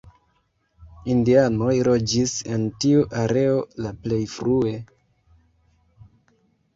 Indianoj loĝis en tiu areo la plej frue.